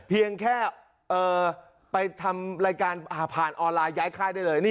เพียงแค่ไปทำรายการผ่านออนไลน์ย้ายค่ายได้เลย